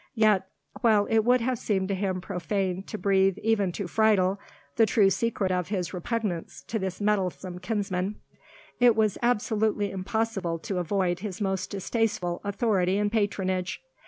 Yet, while it would have seemed to him profane to breathe even to Friedel the true secret of his repugnance to this meddlesome kinsman, it was absolutely impossible to avoid his most distasteful authority and patronage.